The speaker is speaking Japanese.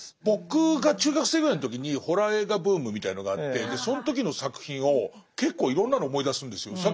僕が中学生ぐらいの時にホラー映画ブームみたいのがあってその時の作品を結構いろんなの思い出すんですよ。